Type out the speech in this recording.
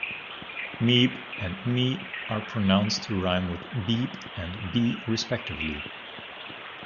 "Meep" and "mee" are pronounced to rhyme with "beep" and "bee", respectively.